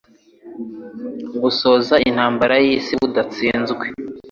busoza intambara y'Isi budatsinzwe.